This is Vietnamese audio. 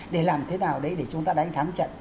để làm thế nào đấy để chúng ta đánh thắng trận